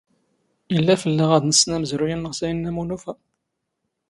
ⵉⵍⵍⴰ ⴼⵍⵍⴰⵖ ⴰⴷ ⵏⵙⵙⵏ ⴰⵎⵣⵔⵓⵢ ⵏⵏⵖ ⵙ ⴰⵢⵏⵏⴰ ⵎⵓ ⵏⵓⴼⴰ.